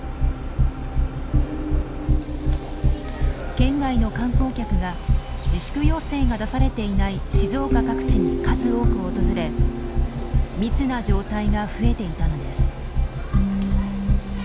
県外の観光客が自粛要請が出されていない静岡各地に数多く訪れ密な状態が増えていたのです。